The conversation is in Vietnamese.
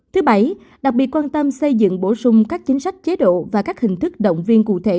thứ bảy đặc biệt quan tâm xây dựng bổ sung các chính sách chế độ và các hình thức động viên cụ thể